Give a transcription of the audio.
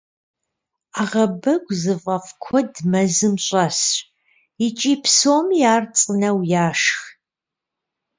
Ӏэгъэбэгу зыфӏэфӏ куэд мэзым щӏэсщ, икӏи псоми ар цӏынэу яшх.